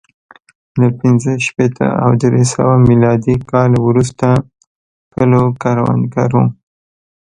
له پنځه شپېته او درې سوه میلادي کال وروسته کلو کروندګرو